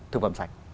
thực phẩm sạch